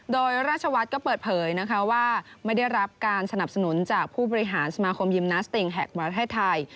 โดยราชวัฒน์ก็เปิดเผยนะคะว่าไม่ได้รับการสนับสนุนจากผู้บริหารสมาคมยิมนาสติงแห่งประเทศไทย